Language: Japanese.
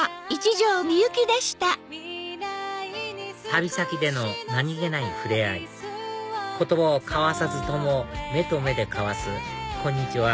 旅先での何げない触れ合い言葉を交わさずとも目と目で交わす「こんにちは」